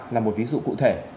là một ví dụ cụ thể